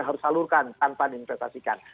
harus salurkan tanpa diimplementasikan